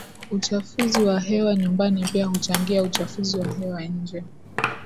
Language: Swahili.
Uchafuzi wa hewa nyumbani pia huchangia uchafuzi wa hewa ya nje